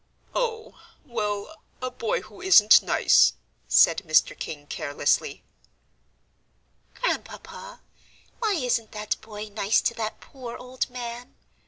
"Oh, well, a boy who isn't nice," said Mr. King, carelessly. "Grandpapa, why isn't that boy nice to that poor old man?"